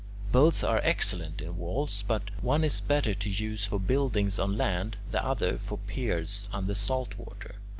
Both are excellent in walls, but one is better to use for buildings on land, the other for piers under salt water.